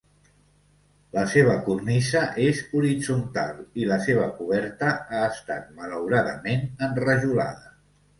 La seva cornisa és horitzontal i la seva coberta ha estat, malauradament, enrajolada.